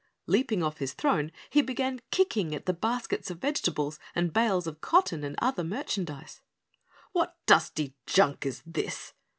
Leaping off his throne, he began kicking at the baskets of vegetables and bales of cotton and other merchandise. "What dusty junk is this?"